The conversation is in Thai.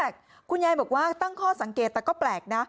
คุณยายบอกว่าตั้งข้อสังเกตแต่ก็แปลกนะ